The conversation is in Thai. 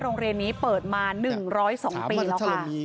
โรงเรียนนี้เปิดมาหนึ่งร้อยสองปีแล้วค่ะ